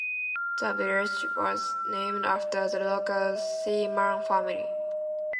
The village was named after the local Seaman family.